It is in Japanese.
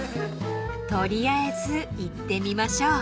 ［取りあえず行ってみましょう］